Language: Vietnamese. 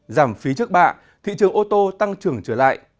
giảm phí trước bạ thị trường ô tô tăng trưởng trở lại